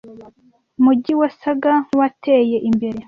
mujyi wasaga nkuwateye imbere.